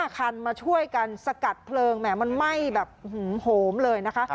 คันมาช่วยกันสกัดเพลิงแหมมันไหม้แบบโหมเลยนะคะ